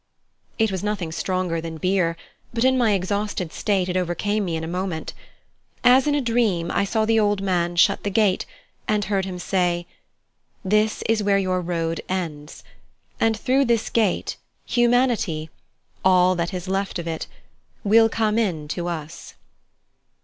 It was nothing stronger than beer, but in my exhausted state it overcame me in a moment. As in a dream, I saw the old man shut the gate, and heard him say: "This is where your road ends, and through this gate humanity all that is left of it will come in to us."